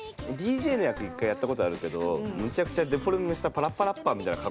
ＤＪの役１回やったことあるけどむちゃくちゃデフォルメした「パラッパラッパー」みたいな格好させられて。